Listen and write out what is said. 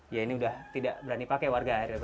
ya ini udah tidak berani pakai warga air ya pak ya